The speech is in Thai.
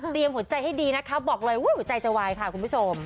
เตรียมหัวใจให้ดีนะคะบอกเลยวิ้วหัวใจจะไหวค่ะคุณผู้ชม